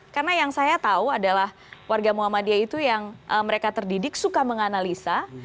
karena yang saya tahu adalah warga muhammadiyah itu yang mereka terdidik suka menganalisa